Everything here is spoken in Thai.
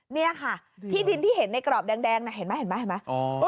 เนี่ยค่ะที่ดินที่เห็นในกรอบแดงนะเห็นมั้ยเห็นมั้ยเห็นมั้ย